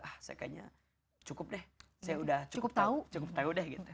saya kaya cukup deh saya udah cukup tau deh gitu